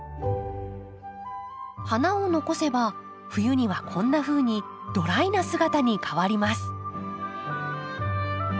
花を残せば冬にはこんなふうにドライな姿に変わります。